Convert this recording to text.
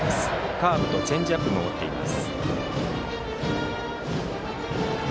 カーブ、チェンジアップも持っています。